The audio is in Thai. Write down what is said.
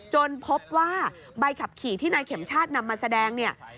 พบว่าใบขับขี่ที่นายเข็มชาตินำมาแสดงเนี่ย